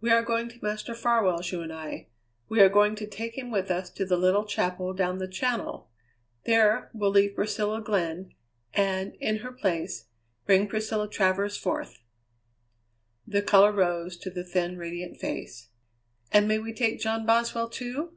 "We are going to Master Farwell's, you and I. We are going to take him with us to the little chapel down the Channel; there we'll leave Priscilla Glenn, and, in her place, bring Priscilla Travers forth." The colour rose to the thin, radiant face. "And may we take John Boswell, too?"